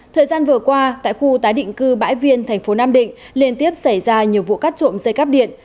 thời gian vừa qua tại khu tái định cư bãi viên thành phố nam định liên tiếp xảy ra nhiều vụ cắt trộm dây cắp điện